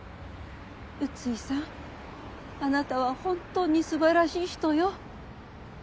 宇津井さんあなたは本当にすばらしい人よ。